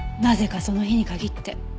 なぜかその日に限って。